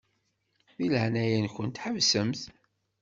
Di leɛnaya-nkent ḥebsemt.